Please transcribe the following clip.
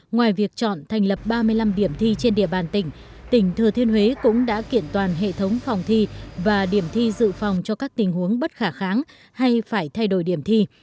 ngoài việc chọn thành lập ba mươi năm điểm thi trên địa bàn tỉnh tỉnh thừa thiên huế cũng đã kiện toàn hệ thống phòng thi và điểm thi dự phòng cho các tình huống bất khả kháng hay phải thay đổi điểm thi